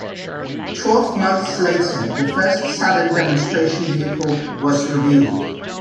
Twelve months later, the first Saturn demonstration vehicle was revealed.